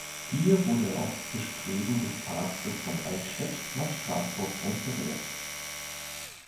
Hier wurde er auf Bestreben des Papstes von Eichstätt nach Straßburg transferiert.